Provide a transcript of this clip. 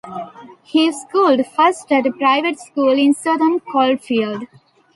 He schooled first at a private school in Sutton Coldfield.